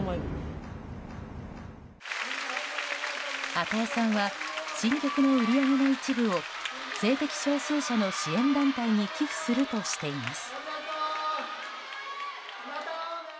與さんは新曲の売り上げの一部を性的少数者の支援団体に寄付するとしています。